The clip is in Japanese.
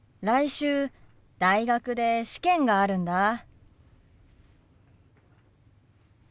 来週大学で試験があるんだ。